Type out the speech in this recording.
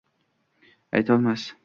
Aytolmas